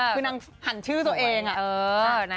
คือนางหันชื่อตัวเองอะ